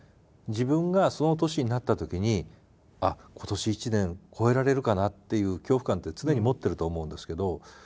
自分がその年になったときにあっ今年一年越えられるかなっていう恐怖感って常に持ってると思うんですけど。